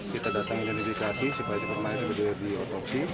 kita datang ke identifikasi sebaik baik saja kita berdaya di otopsi